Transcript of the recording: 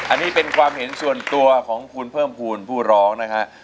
อันนี้เป็นความเห็นส่วนตัวของคุณเพิ่มภูมิผู้ร้องนะฮะ